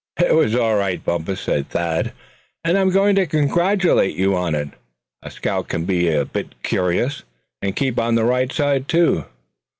"It was all right, Bumpus," said Thad; "and I'm going to congratulate you on it. A scout can be a bit curious, and keep on the right side, too.